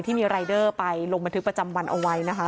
ที่มีรายเดอร์ไปลงบันทึกประจำวันเอาไว้นะคะ